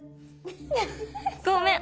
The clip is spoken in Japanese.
ごめん。